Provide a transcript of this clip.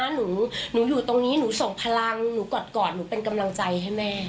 หนูอยู่ตรงนี้หนูส่งพลังหนูกอดหนูเป็นกำลังใจให้แม่